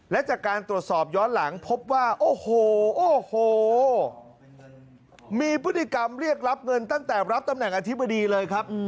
และจากการตรวจสอบย้อนหลังพบว่าโอ้โหโอ้โหมีพฤติกรรมเรียกรับเงินตั้งแต่รับตำแหน่งอธิบดีเลยครับ